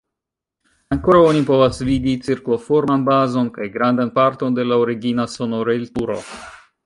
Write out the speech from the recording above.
Ankoraŭ oni povas vidi cirklo-forman bazon kaj grandan parton de la origina sonorilturo.